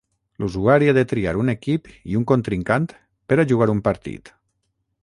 L'usuari ha de triar un equip i un contrincant per a jugar un partit.